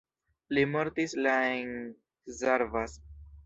Li mortis la en Szarvas.